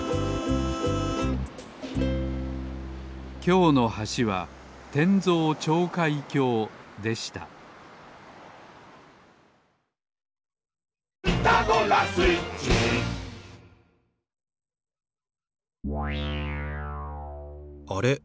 きょうの橋は転造跳開橋でしたあれ？